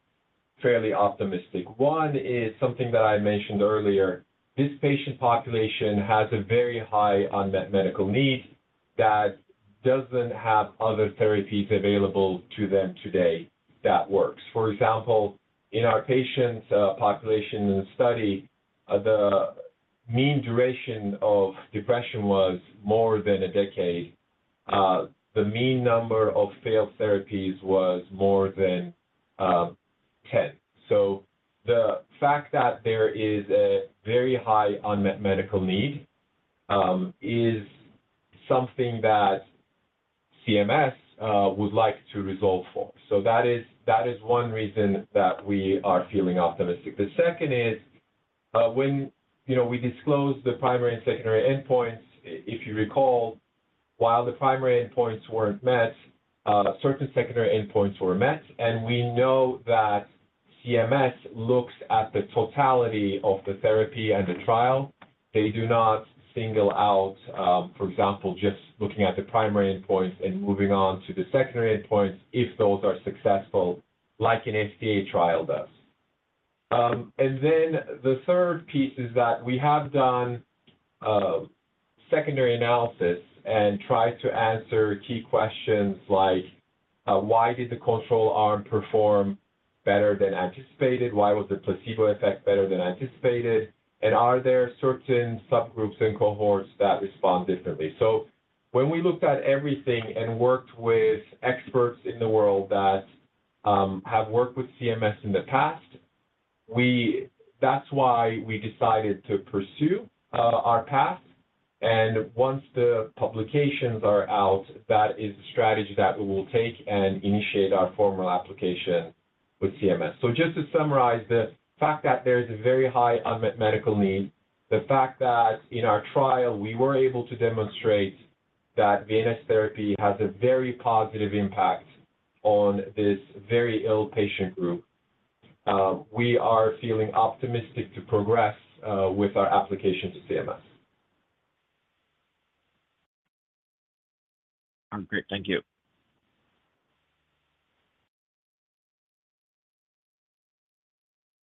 fairly optimistic. One is something that I mentioned earlier. This patient population has a very high unmet medical need that doesn't have other therapies available to them today that works. For example, in our patient population in the study, the mean duration of depression was more than a decade. The mean number of failed therapies was more than 10. So the fact that there is a very high unmet medical need is something that CMS would like to resolve for. So that is one reason that we are feeling optimistic. The second is when we disclose the primary and secondary endpoints, if you recall, while the primary endpoints weren't met, certain secondary endpoints were met. And we know that CMS looks at the totality of the therapy and the trial. They do not single out, for example, just looking at the primary endpoints and moving on to the secondary endpoints if those are successful, like an FDA trial does. And then the third piece is that we have done secondary analysis and tried to answer key questions like, why did the control arm perform better than anticipated? Why was the placebo effect better than anticipated? And are there certain subgroups and cohorts that respond differently? So when we looked at everything and worked with experts in the world that have worked with CMS in the past, that's why we decided to pursue our path. And once the publications are out, that is the strategy that we will take and initiate our formal application with CMS. So, just to summarize, the fact that there is a very high unmet medical need, the fact that in our trial, we were able to demonstrate that VNS Therapy has a very positive impact on this very ill patient group, we are feeling optimistic to progress with our application to CMS. Great. Thank you.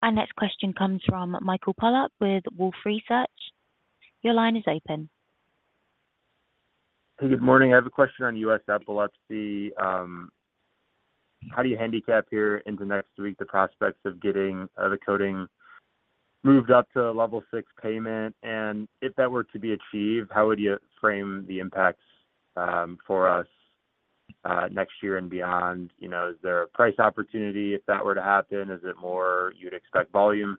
Our next question comes from Michael Polark with Wolfe Research. Your line is open. Hey, good morning. I have a question on U.S. epilepsy. How do you handicap here into next week the prospects of getting the coding moved up to level six payment? And if that were to be achieved, how would you frame the impacts for us next year and beyond? Is there a price opportunity if that were to happen? Is it more you'd expect volume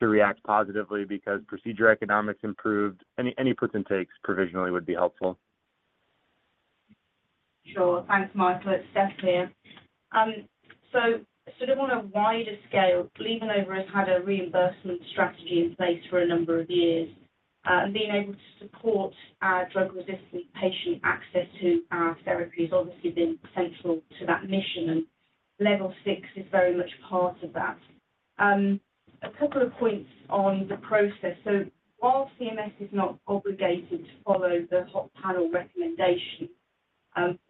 to react positively because procedure economics improved? Any puts and takes provisionally would be helpful. Sure. Thanks, Mike. That's definitely so sort of on a wider scale, LivaNova has had a reimbursement strategy in place for a number of years. Being able to support drug-resistant patient access to our therapy has obviously been central to that mission, and the VNS is very much part of that. A couple of points on the process, so while CMS is not obligated to follow the MedPAC recommendation,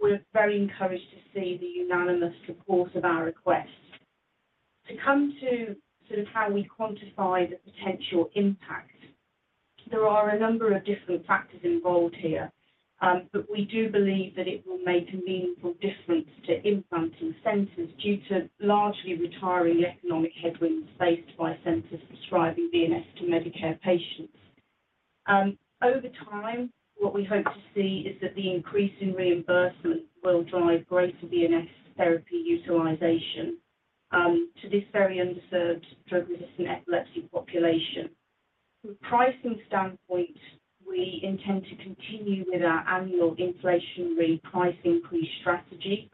we're very encouraged to see the unanimous support of our request. To come to sort of how we quantify the potential impact, there are a number of different factors involved here, but we do believe that it will make a meaningful difference to implanting centers due to largely retiring economic headwinds faced by centers prescribing VNS to Medicare patients. Over time, what we hope to see is that the increase in reimbursement will drive greater VNS therapy utilization to this very underserved drug-resistant epilepsy population. From a pricing standpoint, we intend to continue with our annual inflationary price increase strategy.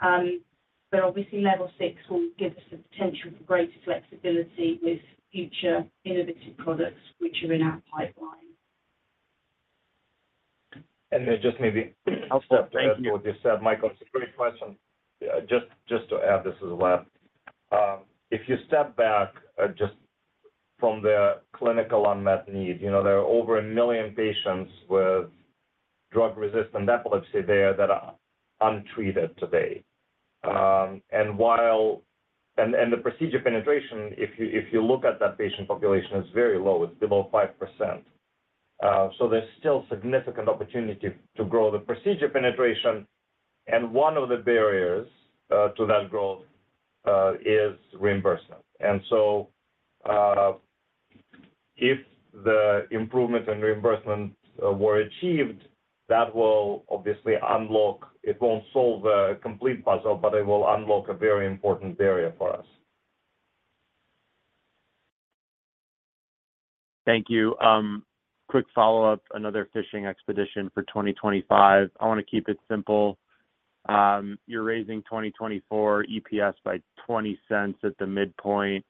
But obviously, level six will give us the potential for greater flexibility with future innovative products which are in our pipeline. And just maybe I'll start with this, Michael. It's a great question. Just to add this as well. If you step back just from the clinical unmet need, there are over a million patients with drug-resistant epilepsy there that are untreated today. And the procedure penetration, if you look at that patient population, is very low. It's below 5%. So there's still significant opportunity to grow the procedure penetration. And one of the barriers to that growth is reimbursement. And so if the improvement in reimbursement were achieved, that will obviously unlock. It won't solve a complete puzzle, but it will unlock a very important barrier for us. Thank you. Quick follow-up, another fishing expedition for 2025. I want to keep it simple. You're raising 2024 EPS by $0.20 at the midpoint.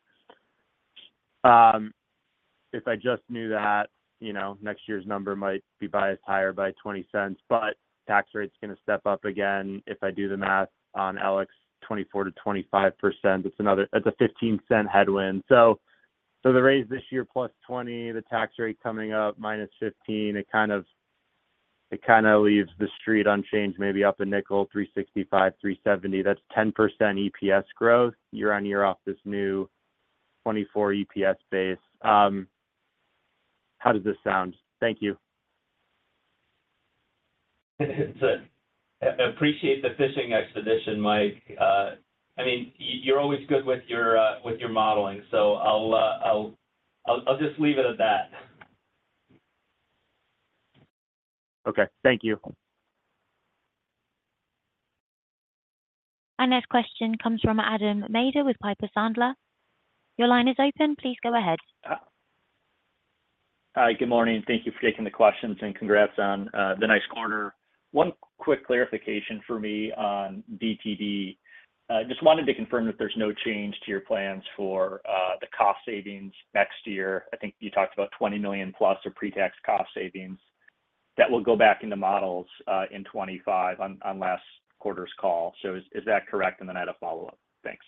If I just knew that, next year's number might be biased higher by $0.20. But tax rate's going to step up again. If I do the math on Alex, 24%-25%. It's a $0.15 headwind. So the raise this year plus $0.20, the tax rate coming up minus $0.15, it kind of leaves the street unchanged, maybe up $0.05, $3.65-$3.70. That's 10% EPS growth year on year off this new 24 EPS base. How does this sound? Thank you. I appreciate the fishing expedition, Mike. I mean, you're always good with your modeling. So I'll just leave it at that. Okay. Thank you. Our next question comes from Adam Maider with Piper Sandler. Your line is open. Please go ahead. Hi. Good morning. Thank you for taking the questions and congrats on the next quarter. One quick clarification for me on DTD. Just wanted to confirm that there's no change to your plans for the cost savings next year. I think you talked about $20 million plus of pre-tax cost savings that will go back into models in 2025 on last quarter's call. So is that correct? And then I had a follow-up. Thanks.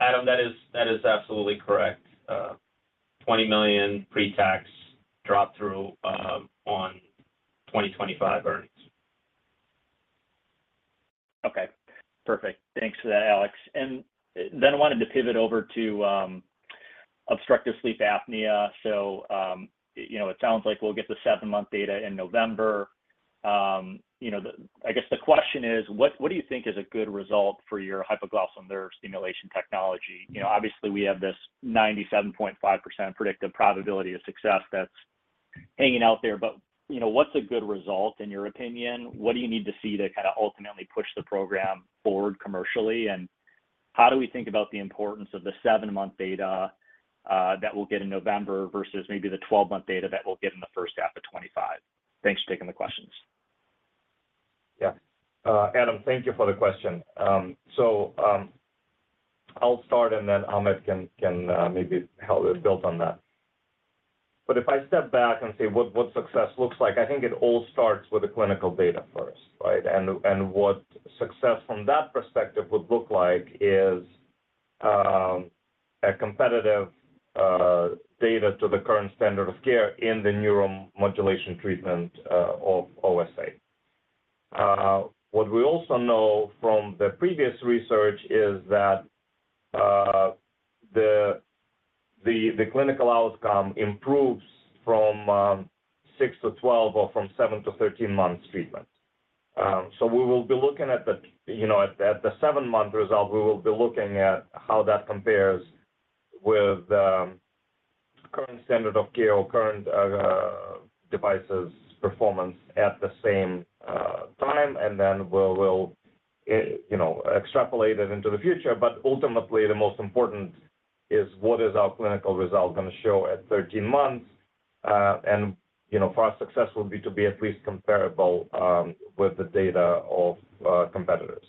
Adam, that is absolutely correct. $20 million pre-tax drop-through on 2025 earnings. Okay. Perfect. Thanks for that, Alex. And then I wanted to pivot over to obstructive sleep apnea. So it sounds like we'll get the seven-month data in November. I guess the question is, what do you think is a good result for your hypoglossal nerve stimulation technology? Obviously, we have this 97.5% predictive probability of success that's hanging out there. But what's a good result, in your opinion? What do you need to see to kind of ultimately push the program forward commercially? And how do we think about the importance of the seven-month data that we'll get in November versus maybe the 12-month data that we'll get in the first half of 2025? Thanks for taking the questions. Yeah. Adam, thank you for the question. So I'll start, and then Ahmet can maybe build on that. But if I step back and say what success looks like, I think it all starts with the clinical data first, right? And what success from that perspective would look like is competitive data to the current standard of care in the neuromodulation treatment of OSA. What we also know from the previous research is that the clinical outcome improves from six to 12 or from seven to 13 months treatment. So we will be looking at the seven-month result. We will be looking at how that compares with the current standard of care or current devices' performance at the same time. And then we'll extrapolate it into the future. But ultimately, the most important is what is our clinical result going to show at 13 months? And for our success, it would be to be at least comparable with the data of competitors.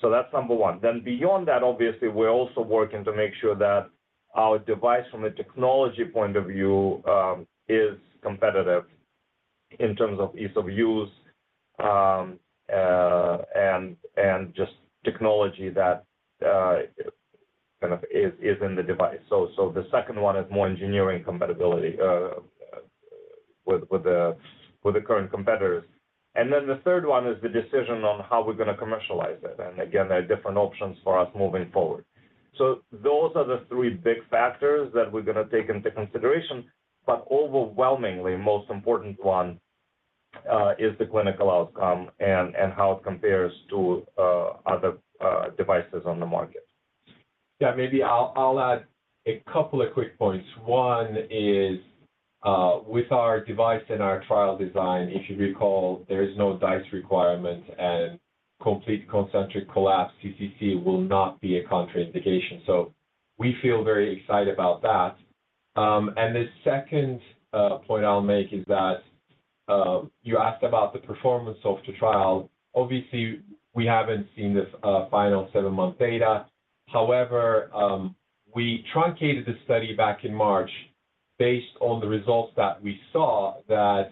So that's number one. Then beyond that, obviously, we're also working to make sure that our device, from a technology point of view, is competitive in terms of ease of use and just technology that kind of is in the device. So the second one is more engineering compatibility with the current competitors. And then the third one is the decision on how we're going to commercialize it. And again, there are different options for us moving forward. So those are the three big factors that we're going to take into consideration. But overwhelmingly, the most important one is the clinical outcome and how it compares to other devices on the market. Yeah. Maybe I'll add a couple of quick points. One is with our device and our trial design, if you recall, there is no DICE requirement, and complete concentric collapse, CCC, will not be a contraindication. So we feel very excited about that. And the second point I'll make is that you asked about the performance of the trial. Obviously, we haven't seen the final seven-month data. However, we truncated the study back in March based on the results that we saw that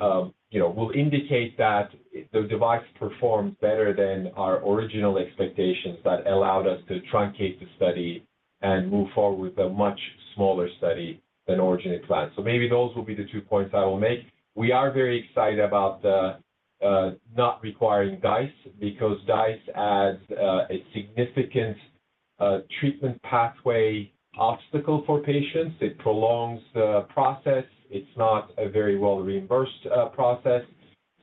will indicate that the device performs better than our original expectations that allowed us to truncate the study and move forward with a much smaller study than originally planned. So maybe those will be the two points I will make. We are very excited about not requiring DICE because DICE adds a significant treatment pathway obstacle for patients. It prolongs the process. It's not a very well-reimbursed process.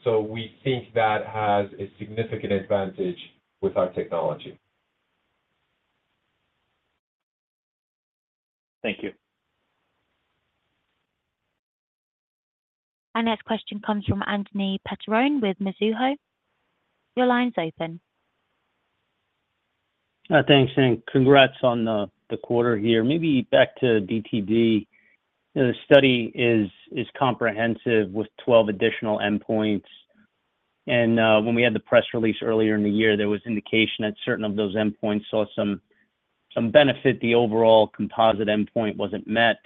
So we think that has a significant advantage with our technology. Thank you. Our next question comes from Anthony Petrone with Mizuho. Your line's open. Thanks. And congrats on the quarter here. Maybe back to DTD. The study is comprehensive with 12 additional endpoints. And when we had the press release earlier in the year, there was indication that certain of those endpoints saw some benefit. The overall composite endpoint wasn't met,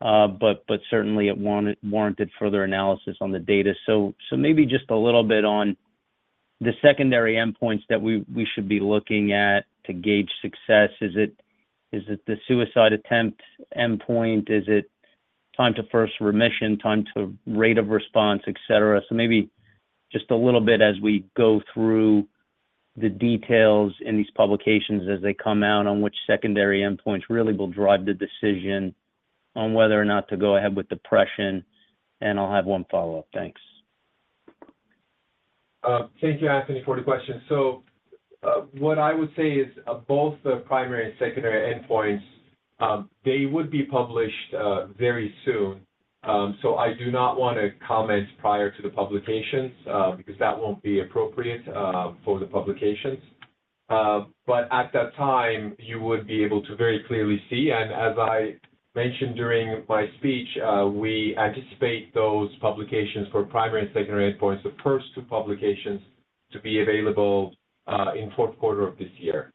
but certainly, it warranted further analysis on the data. So maybe just a little bit on the secondary endpoints that we should be looking at to gauge success. Is it the suicide attempt endpoint? Is it time to first remission, time to rate of response, etc.? So maybe just a little bit as we go through the details in these publications as they come out on which secondary endpoints really will drive the decision on whether or not to go ahead with depression. And I'll have one follow-up. Thanks. Thank you, Anthony, for the question. So what I would say is both the primary and secondary endpoints, they would be published very soon. So I do not want to comment prior to the publications because that won't be appropriate for the publications. But at that time, you would be able to very clearly see. And as I mentioned during my speech, we anticipate those publications for primary and secondary endpoints, the first two publications to be available in fourth quarter of this year.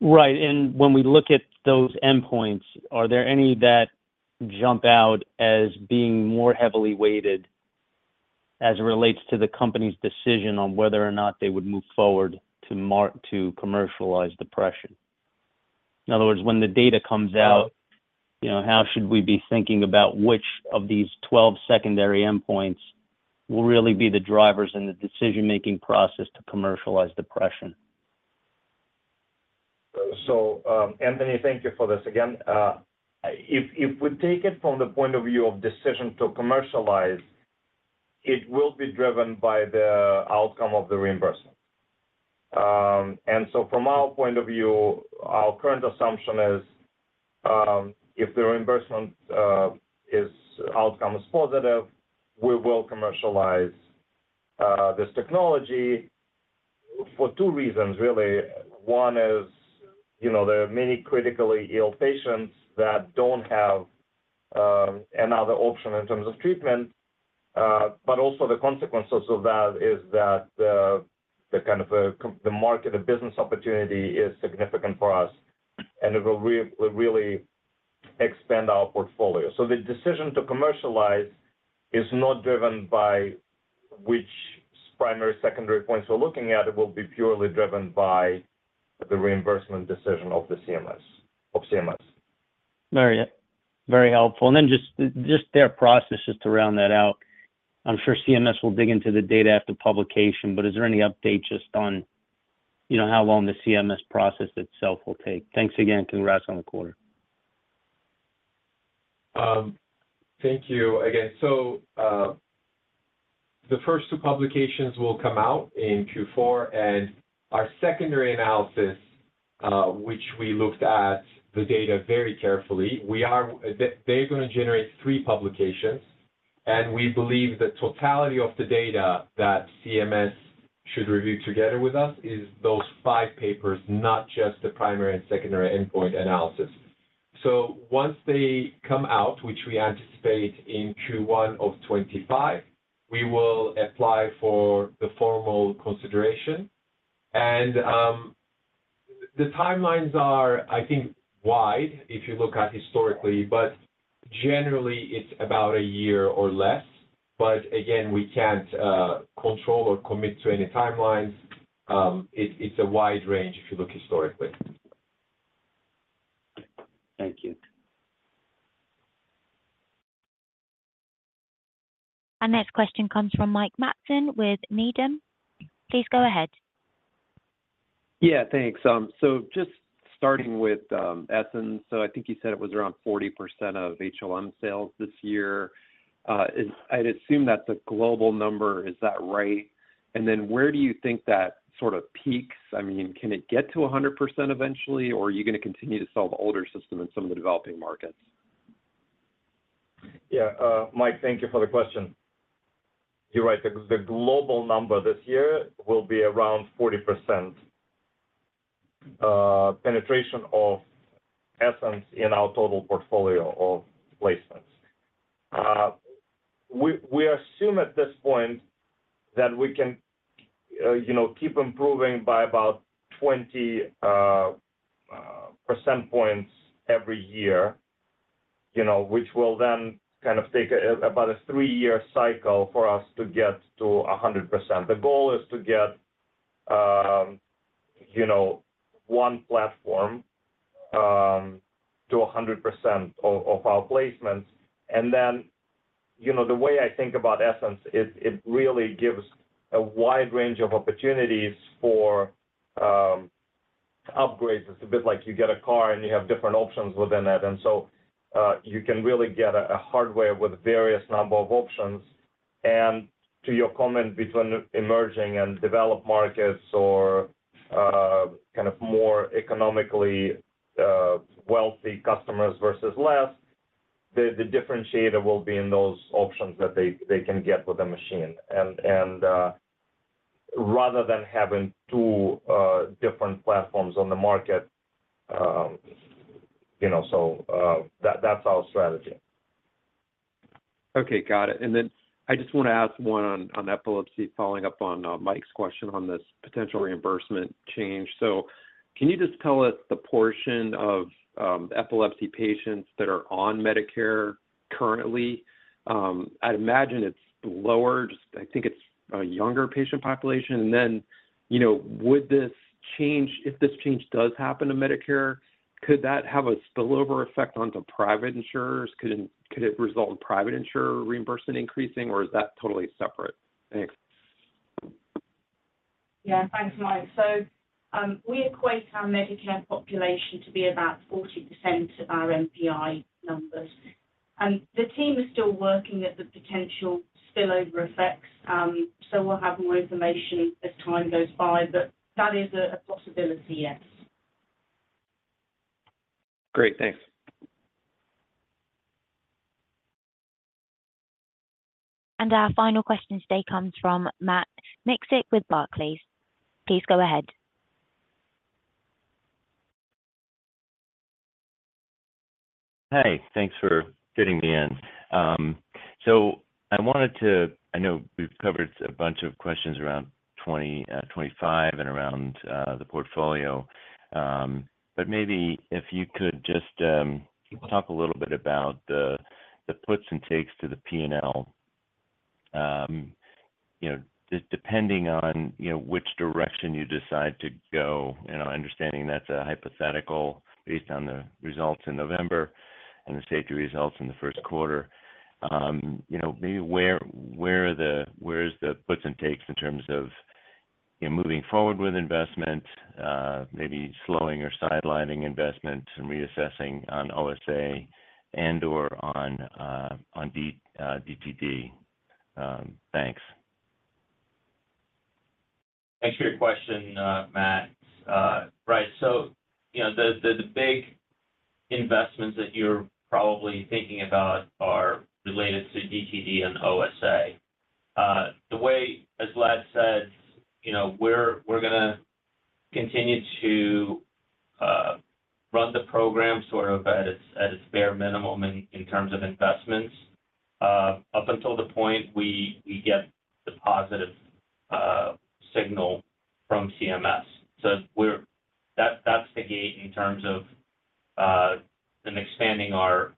Right. And when we look at those endpoints, are there any that jump out as being more heavily weighted as it relates to the company's decision on whether or not they would move forward to commercialize depression? In other words, when the data comes out, how should we be thinking about which of these 12 secondary endpoints will really be the drivers in the decision-making process to commercialize depression? So Anthony, thank you for this again. If we take it from the point of view of decision to commercialize, it will be driven by the outcome of the reimbursement. And so from our point of view, our current assumption is if the reimbursement outcome is positive, we will commercialize this technology for two reasons, really. One is there are many critically ill patients that don't have another option in terms of treatment. But also, the consequences of that is that the kind of market of business opportunity is significant for us, and it will really expand our portfolio. So the decision to commercialize is not driven by which primary secondary points we're looking at. It will be purely driven by the reimbursement decision of CMS. Very helpful. And then just their process just to round that out, I'm sure CMS will dig into the data after publication. But is there any update just on how long the CMS process itself will take? Thanks again. Congrats on the quarter. Thank you again. So the first two publications will come out in Q4. And our secondary analysis, which we looked at the data very carefully, they're going to generate three publications. And we believe the totality of the data that CMS should review together with us is those five papers, not just the primary and secondary endpoint analysis. So once they come out, which we anticipate in Q1 of 2025, we will apply for the formal consideration. And the timelines are, I think, wide if you look at historically. But generally, it's about a year or less. But again, we can't control or commit to any timelines. It's a wide range if you look historically. Thank you. Our next question comes from Mike Matson with Needham. Please go ahead. Yeah. Thanks. So just starting with Essenz, so I think you said it was around 40% of HLM sales this year. I'd assume that's a global number. Is that right? And then where do you think that sort of peaks? I mean, can it get to 100% eventually, or are you going to continue to sell the older system in some of the developing markets? Yeah. Mike, thank you for the question. You're right. The global number this year will be around 40% penetration of Essenz in our total portfolio of placements. We assume at this point that we can keep improving by about 20 percentage points every year, which will then kind of take about a three-year cycle for us to get to 100%. The goal is to get one platform to 100% of our placements. And then the way I think about Essenz, it really gives a wide range of opportunities for upgrades. It's a bit like you get a car, and you have different options within that. And so you can really get a hardware with a various number of options. And to your comment between emerging and developed markets or kind of more economically wealthy customers versus less, the differentiator will be in those options that they can get with a machine. And rather than having two different platforms on the market, so that's our strategy. Okay. Got it. And then I just want to ask one on epilepsy, following up on Mike's question on this potential reimbursement change. So can you just tell us the portion of epilepsy patients that are on Medicare currently? I'd imagine it's lower. I think it's a younger patient population. And then would this change if this change does happen to Medicare, could that have a spillover effect onto private insurers? Could it result in private insurer reimbursement increasing, or is that totally separate? Yeah. Thanks, Mike. So we equate our Medicare population to be about 40% of our MPI numbers. And the team is still working at the potential spillover effects. So we'll have more information as time goes by. But that is a possibility, yes. Great. Thanks. Our final question today comes from Matt Miksic with Barclays. Please go ahead. Hey. Thanks for fitting me in. So I wanted to, I know we've covered a bunch of questions around 2025 and around the portfolio. But maybe if you could just talk a little bit about the puts and takes to the P&L, depending on which direction you decide to go. And I'm understanding that's a hypothetical based on the results in November and the safety results in the first quarter. Maybe where are the puts and takes in terms of moving forward with investment, maybe slowing or sidelining investment, and reassessing on OSA and/or on DTD? Thanks. Thanks for your question, Matt. Right. So the big investments that you're probably thinking about are related to DTD and OSA. As Vlad said, we're going to continue to run the program sort of at its bare minimum in terms of investments up until the point we get the positive signal from CMS. So that's the gate in terms of expanding our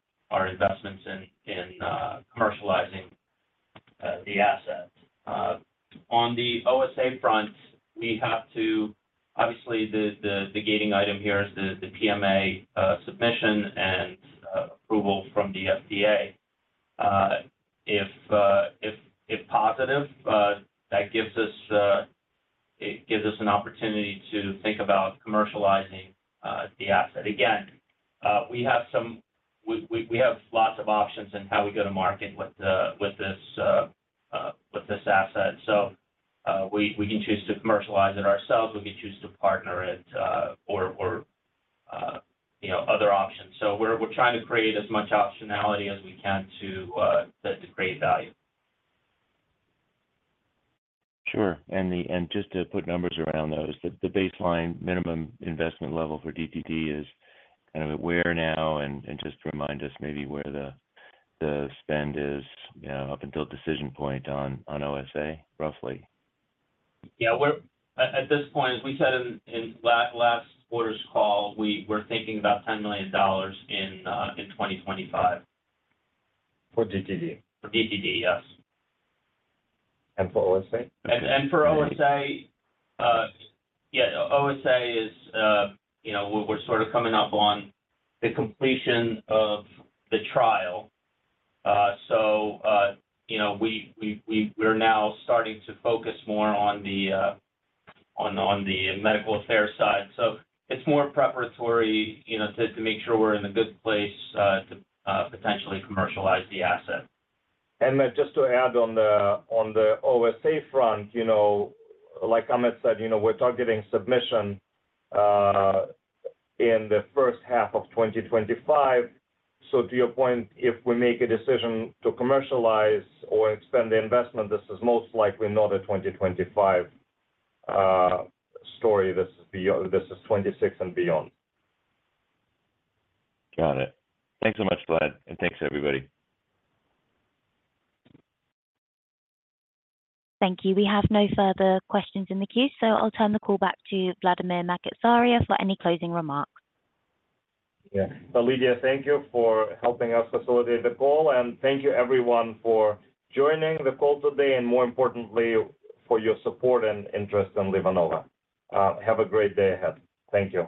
investments in commercializing the asset. On the OSA front, we have to, obviously, the gating item here is the PMA submission and approval from the FDA. If positive, that gives us an opportunity to think about commercializing the asset. Again, we have lots of options in how we go to market with this asset. So we can choose to commercialize it ourselves. We can choose to partner it or other options. So we're trying to create as much optionality as we can to create value. Sure. And just to put numbers around those, the baseline minimum investment level for DTD is kind of where now? And just remind us maybe where the spend is up until decision point on OSA, roughly. Yeah. At this point, as we said in last quarter's call, we're thinking about $10 million in 2025. For DTD? For DTD, yes. And for OSA? For OSA, yeah, OSA is we're sort of coming up on the completion of the trial. We're now starting to focus more on the medical affairs side. It's more preparatory to make sure we're in a good place to potentially commercialize the asset. And just to add on the OSA front, like Ahmet said, we're targeting submission in the first half of 2025. So to your point, if we make a decision to commercialize or expand the investment, this is most likely not a 2025 story. This is 2026 and beyond. Got it. Thanks so much, Vlad, and thanks, everybody. Thank you. We have no further questions in the queue. So I'll turn the call back to Vladimir Makatsaria for any closing remarks. Yeah. Lydia, thank you for helping us facilitate the call. And thank you, everyone, for joining the call today and, more importantly, for your support and interest in LivaNova. Have a great day ahead. Thank you.